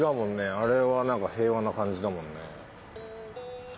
あれはなんか平和な感じだもんね。